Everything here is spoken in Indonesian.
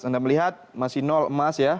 anda melihat masih nol emas ya